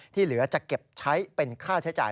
เหลือจะเก็บใช้เป็นค่าใช้จ่าย